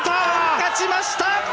勝ちました！